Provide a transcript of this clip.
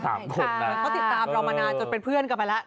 เค้าติดตามเรามานานโจทย์เป็นเพื่อนกันไปละ